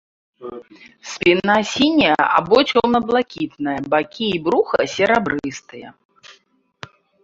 Спіна сіняя або цёмна-блакітная, бакі і бруха серабрыстыя.